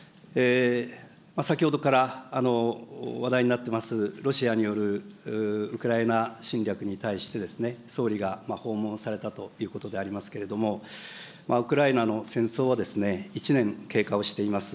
先ほどから話題になっています、ロシアによるウクライナ侵略に対してですね、総理が訪問されたということでありますけれども、ウクライナの戦争は１年経過をしています。